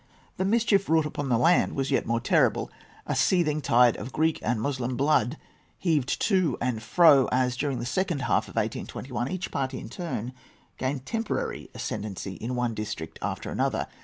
The mischief wrought upon the land was yet more terrible. A seething tide of Greek and Moslem blood heaved to and fro, as, during the second half of 1821, each party in turn gained temporary ascendency in one district after another.